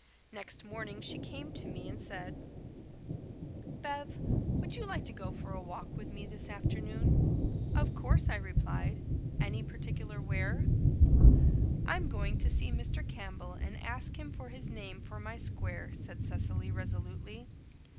Next morning she came to me and said: "Bev, would you like to go for a walk with me this afternoon?" "Of course," I replied. "Any particular where?" "I'm going to see Mr. Campbell and ask him for his name for my square," said Cecily resolutely.